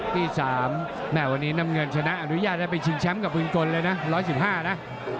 ที่๓แม่วันนี้น้ำเงินชนะอนุญาตได้ไปชิงแชมป์กับปืนกลเลยนะ๑๑๕นะ